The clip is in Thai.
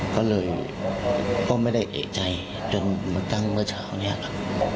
ก็เลยก็ไม่ได้เอกใจจนมาตั้งเมื่อเช้านี้ครับ